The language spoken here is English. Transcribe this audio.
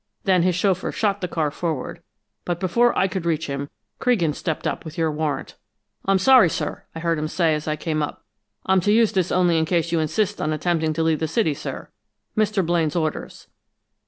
Then his chauffeur shot the car forward, but before I could reach him, Creghan stepped up with your warrant. "'I'm sorry, sir,' I heard him say as I came up. 'I'm to use this only in case you insist on attempting to leave the city, sir. Mr. Blaine's orders.'